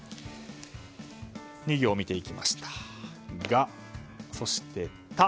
２行見ていきました。